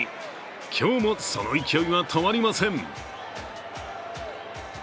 今日もその勢いは止まりません。